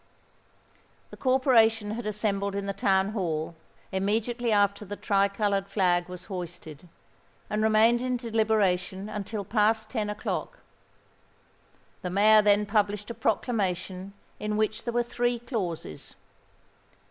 The corporation had assembled in the Town Hall, immediately after the tri coloured flag was hoisted, and remained in deliberation until past ten o'clock. The Mayor then published a proclamation in which there were three clauses.